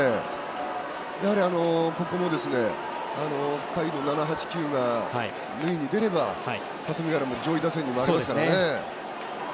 やはり、ここも下位の７、８、９が塁に出れば、霞ヶ浦も上位打線に回りますからね。